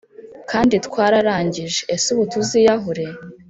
kandi twararangije, ese ubu tuziyahure?